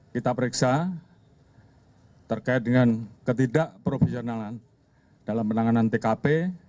kita periksa terkait dengan ketidakprofesionalan dalam penanganan tkp